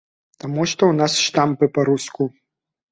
Таму што ў нас штампы па-руску.